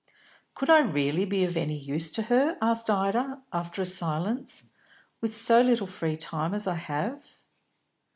"Could I really be of any use to her," asked Ida, after a silence, "with so little free time as I have?"